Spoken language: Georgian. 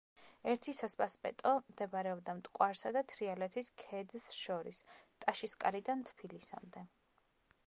ერთი სასპასპეტო მდებარეობდა მტკვარსა და თრიალეთის ქედს შორის, ტაშისკარიდან თბილისამდე.